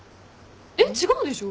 えっ違うでしょ。